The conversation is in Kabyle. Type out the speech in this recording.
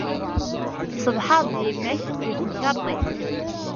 Ṣebḥeɣ-d deg yemma-k deg temkerḍit.